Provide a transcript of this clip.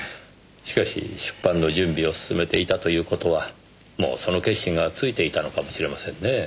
しかし出版の準備を進めていたという事はもうその決心がついていたのかもしれませんねぇ。